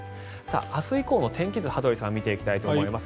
明日以降の天気図、羽鳥さん見ていきたいと思います。